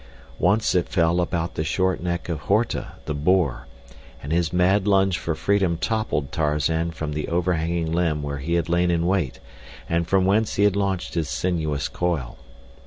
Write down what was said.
Once it fell about the short neck of Horta, the boar, and his mad lunge for freedom toppled Tarzan from the overhanging limb where he had lain in wait and from whence he had launched his sinuous coil.